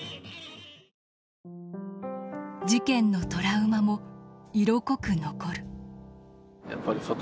事件のトラウマも色濃く残る。